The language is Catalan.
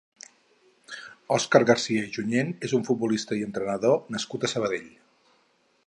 Òscar Garcia i Junyent és un futbolista i entrenador nascut a Sabadell.